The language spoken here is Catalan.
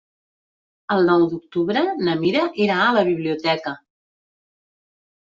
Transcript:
El nou d'octubre na Mira irà a la biblioteca.